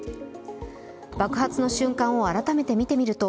爆発の瞬間を改めて見てみると